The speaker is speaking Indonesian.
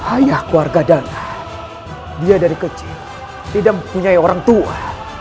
ayah keluarga dana dia dari kecil tidak mempunyai orang tua